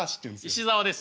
石沢です。